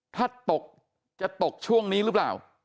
ถ้าตกจะตกช่วงนี้หรือเปล่า